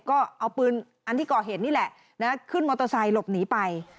ก็เอาปืนอันที่ก่อเหตุนี่แหละขึ้นมอเตอร์ไซค์หลบหนีไป